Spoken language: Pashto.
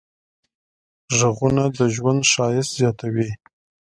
غږونه د ژوند ښایست زیاتوي.